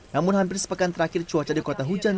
namun hampir sepekan terakhir cuaca di kota hujan